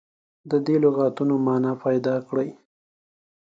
د دې لغتونو معنا پیداکړي.